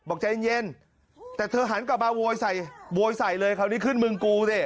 ใจเย็นแต่เธอหันกลับมาโวยใส่โวยใส่เลยคราวนี้ขึ้นมึงกูสิ